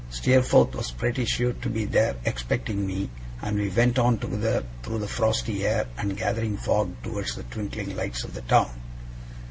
Steerforth was pretty sure to be there expecting me, and we went on together through the frosty air and gathering fog towards the twinkling lights of the town.